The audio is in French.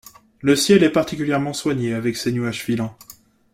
Le ciel est particulièrement soigné avec ses nuages filants.